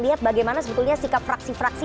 lihat bagaimana sebetulnya sikap fraksi fraksi